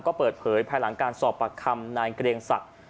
ก็เปิดเผยภายหลังการสอบปากคำนายเกรียงศักดิ์